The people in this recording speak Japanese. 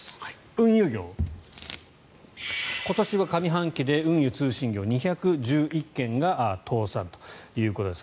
運輸業、今年は上半期で運輸・通信業２１１件が倒産ということです。